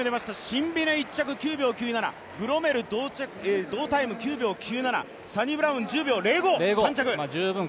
シンビネ、９秒９７、ブロメル同タイム９秒９７、サニブラウン１０秒０５、３着。